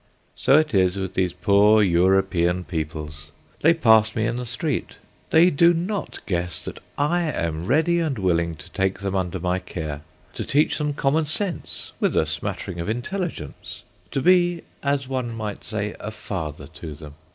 So it is with these poor European peoples. They pass me in the street. They do not guess that I am ready and willing to take them under my care, to teach them common sense with a smattering of intelligence—to be, as one might say, a father to them.